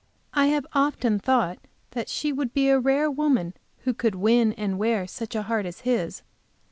I have often thought that she would be a rare woman who could win and wear such a heart as his.